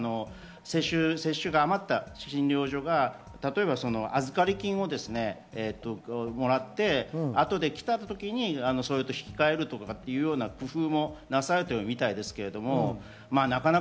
例えば、ワクチンが余った診療所が預かり金ももらって後で来たときに引き換えるという工夫もなされているみたいですけれども。